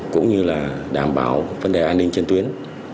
cũng như là đảm bảo vấn đề an ninh trên tuyến